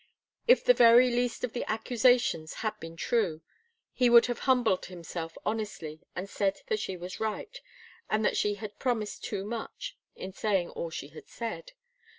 If the very least of the accusations had been true, he would have humbled himself honestly and said that she was right, and that she had promised too much, in saying all she had said.